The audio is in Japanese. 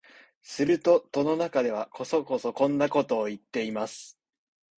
すると戸の中では、こそこそこんなことを言っています